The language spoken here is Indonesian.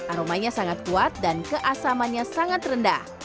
aromanya sangat kuat dan keasamannya sangat rendah